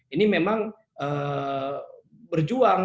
ini memang berjuang